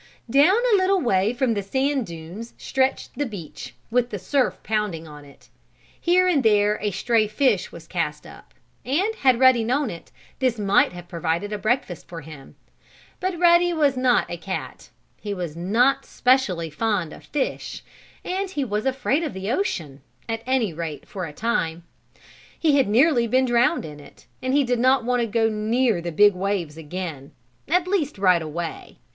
Down a little way from the sand dunes stretched the beach, with the surf pounding on it. Here and there a stray fish was cast up, and, had Ruddy known it, this might have provided a breakfast for him. But Ruddy was not a cat. He was not specially fond of fish, and he was afraid of the ocean at any rate for a time. He had nearly been drowned in it, and he did not want to go near the big waves again; at least right away.